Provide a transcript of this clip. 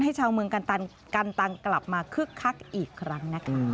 ชาวเมืองกันตังกลับมาคึกคักอีกครั้งนะคะ